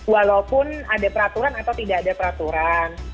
walaupun ada peraturan atau tidak ada peraturan